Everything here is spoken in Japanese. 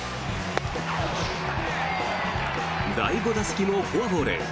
第５打席もフォアボール。